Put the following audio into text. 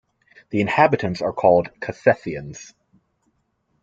The inhabitants are called "Cassassiens".